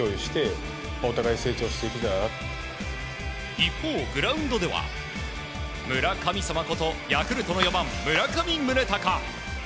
一方、グラウンドでは村神様ことヤクルトの４番、村上宗隆。